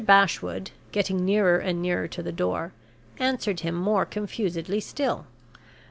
Bashwood (getting nearer and nearer to the door) answered him more confusedly still.